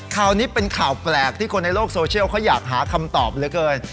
ข่าวนี้เป็นข่าวแปลกที่คนในโลกโซเชียลเขาอยากหาคำตอบเหลือเกิน